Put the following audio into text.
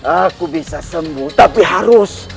aku bisa sembuh tapi harus